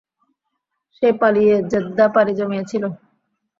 সে পালিয়ে জেদ্দা পারি জমিয়েছিল।